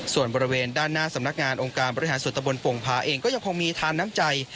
ส่วนบริเวณด้านหน้าสำนักงานองค์การบริหารส่วนตะบนโป่งพาเองก็ยังคงมีทานน้ำใจ